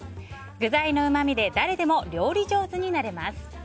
具材のうまみで誰でも料理上手になれます。